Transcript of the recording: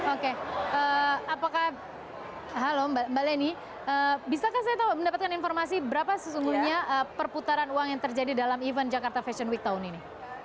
oke apakah halo mbak leni bisakah saya mendapatkan informasi berapa sesungguhnya perputaran uang yang terjadi dalam event jakarta fashion week tahun ini